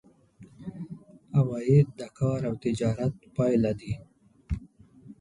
عواید د کار او تجارت پایله دي.